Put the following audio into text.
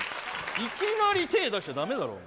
いきなりて出しちゃだめだろ。